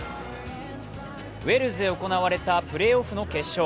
ウェールズで行われたプレーオフの決勝。